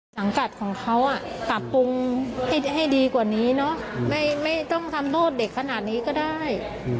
สังกัดของเขาปรับปรุงให้ดีกว่านี้เนอะไม่ต้องทำโทษเด็กขนาดนี้ก็ได้